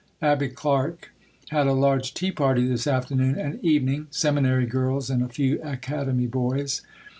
Abbie Clark had a large tea party this afternoon and evening Seminary girls and a few Academy boys.